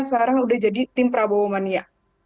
sekarang udah jadi tim prabowo mania